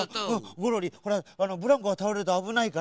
ゴロリブランコがたおれるとあぶないからね